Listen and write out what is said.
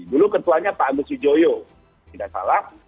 dulu ketuanya pak agus wijoyo tidak salah